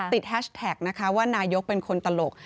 แฮชแท็กนะคะว่านายกเป็นคนตลก